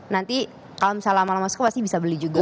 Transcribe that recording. nanti kalau misalnya lama lama suka pasti bisa beli juga